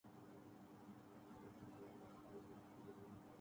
اویس طاقت دیدار کو ترستا تھا